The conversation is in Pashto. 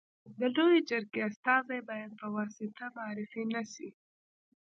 د لويي جرګي استازي باید په واسطه معرفي نه سي.